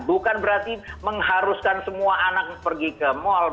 bukan berarti mengharuskan semua anak pergi ke mal